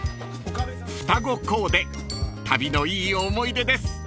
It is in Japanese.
［双子コーデ旅のいい思い出です］